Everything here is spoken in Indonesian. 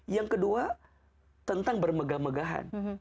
yang kedua tentang bermegah megahan